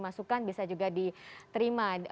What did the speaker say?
masukan bisa juga diterima